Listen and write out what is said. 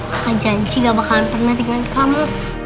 kakak janji gak bakalan pernah tinggalin kamu